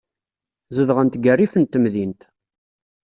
Zedɣent deg rrif n temdint.